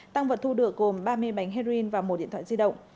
tăng vật thu được gồm ba mươi bánh heroin và một điện thoại di động